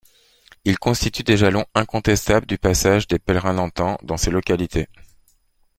Ils constituent des jalons incontestables du passage des pèlerins d'antan dans ces localités.